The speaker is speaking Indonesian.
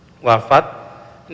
ini menggambarkan bahwa situasi di